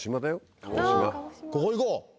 ここ行こう！